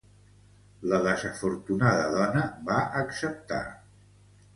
La desafortunada dona va acceptar.